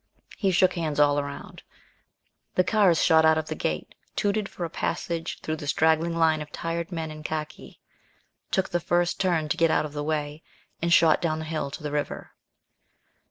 He shook hands all round. The cars shot out of the gate, tooted for a passage through the straggling line of tired men in Khaki, took the first turn to get out of the way, and shot down the hill to the river.